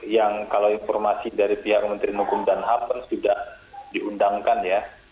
yang kalau informasi dari pihak menteri hukum dan hapen sudah diundangkan ya